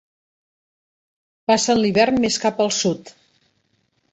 Passen l'hivern més cap al sud.